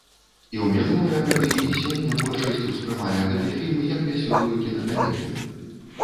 І ў мінулыя гады, і сёння большасць успрымае гэты фільм як вясёлую кінакамедыю.